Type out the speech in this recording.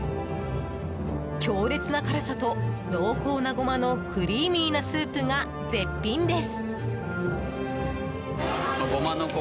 強烈な辛さと濃厚なゴマのクリーミーなスープが絶品です。